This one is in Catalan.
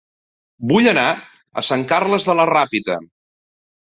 Vull anar a Sant Carles de la Ràpita